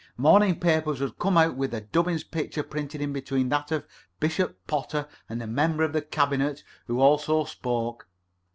Morning papers would come out with Dubbins's picture printed in between that of Bishop Potter and a member of the cabinet, who also spoke.